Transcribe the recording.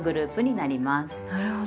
なるほど。